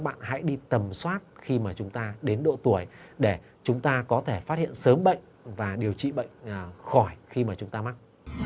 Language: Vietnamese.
bạn hãy đi tầm soát khi mà chúng ta đến độ tuổi để chúng ta có thể phát hiện sớm bệnh và điều trị bệnh khỏi khi mà chúng ta mắc